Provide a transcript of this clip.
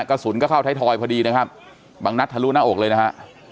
กระสุนก็เข้าไทยทอยพอดีนะครับบางนัดทะลุหน้าอกเลยนะฮะ